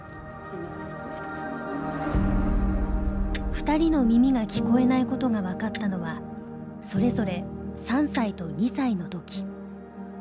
２人の耳が聞こえないことが分かったのはそれぞれ３歳と２歳の時。